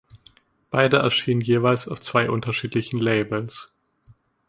Beide erschienen jeweils auf zwei unterschiedlichen Labels.